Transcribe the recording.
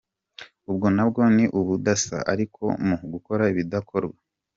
Ubwo nabwo ni ubudasa, ariko mu gukora ibidakorwa.